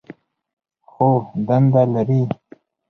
خو دنده لري.